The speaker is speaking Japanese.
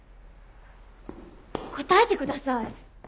答えてください。